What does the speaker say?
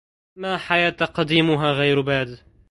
ما حياة قديمها غير باد